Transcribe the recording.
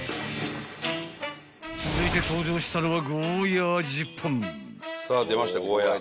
［続いて登場したのは］